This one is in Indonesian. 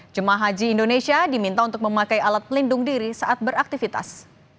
jemaah haji indonesia diminta untuk memakai alat pelindung diri saat beraktivitas